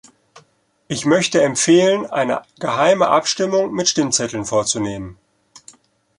Ich möchte empfehlen, eine geheime Abstimmung mit Stimmzetteln vorzunehmen.